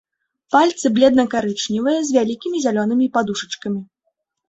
Пальцы бледна-карычневыя, з вялікімі зялёнымі падушачкамі.